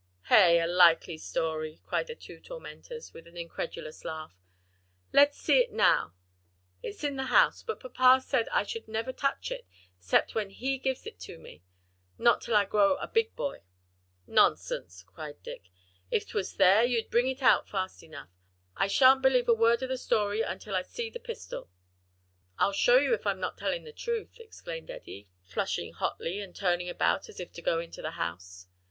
"Hey! a likely story!" cried the two tormentors, with an incredulous laugh. "Let's see it now?" "It's in the house, but papa said I should never touch it 'cept when he gives it to me; not till I grow a big boy." "Nonsense!" cried Dick, "if 'twas there, you'd bring it out fast enough. I sha'n't believe a word of the story until I see the pistol." "I'll show you if I'm not telling the truth;" exclaimed Eddie, flushing hotly, and turning about as if to go into the house.